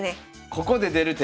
ここで出る手？